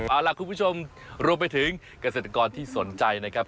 เอาล่ะคุณผู้ชมรวมไปถึงเกษตรกรที่สนใจนะครับ